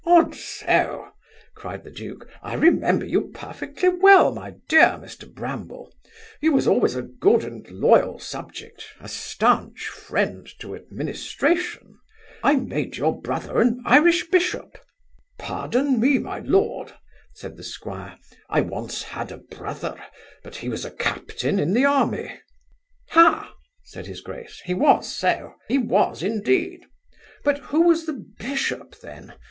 'Odso! (cried the duke) I remember you perfectly well, my dear Mr Bramble You was always a good and loyal subject a stanch friend to administration I made your brother an Irish bishop' 'Pardon me, my lord (said the squire) I once had a brother, but he was a captain in the army' 'Ha! (said his grace) he was so He was, indeed! But who was the Bishop then!